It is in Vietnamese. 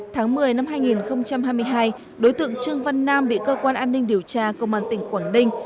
tháng một mươi năm hai nghìn hai mươi hai đối tượng trương văn nam bị cơ quan an ninh điều tra công an tỉnh quảng ninh